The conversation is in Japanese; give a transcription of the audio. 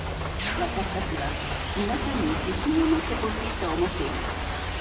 私たちは皆さんに自信を持ってほしいと思っています。